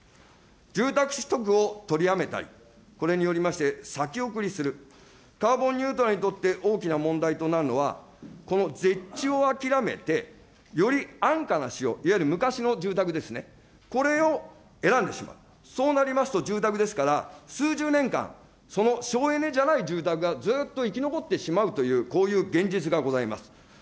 住宅取得を取りやめたり、これによりまして、先送りする、カーボンニュートラルにとって大きな問題となるのはこのぜっちを諦めて、より安価な仕様、いわゆる昔の住宅ですね、これを選んでしまう、そうなりますと、住宅ですから、数十年間、その省エネじゃない住宅がずっと生き残ってしまうというこういう現実がございます。